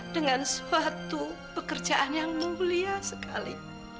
dengan suatu pekerjaan yang mulia sekali